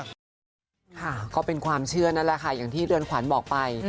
ก็เป็นความเชื่อนั่นแหละค่ะอย่างที่เรือนขวัญบอกไป